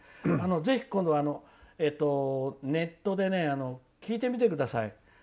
ぜひ今度、ネットで聞いてみてください。